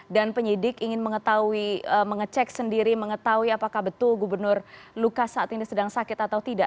dan penyidik ingin mengecek sendiri mengetahui apakah betul gubernur lukas saat ini sedang sakit atau tidak